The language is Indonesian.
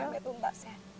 sampai tuntas ya